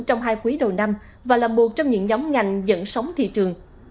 trong hai quý đầu năm và là một trong những nhóm ngành dẫn sóng thị trường